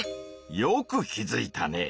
よく気づいたね。